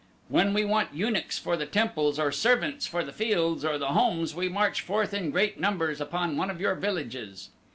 When we want eunuchs for the temples or servants for the fields or the homes we march forth in great numbers upon one of your villages.